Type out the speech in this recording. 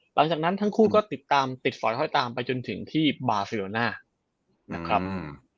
หลังจากนั้นทั้งคู่ก็ติดตามติดฝอยค่อยตามไปจนถึงที่บาเซโรน่านะครับอืม